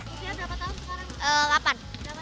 usia berapa tahun sekarang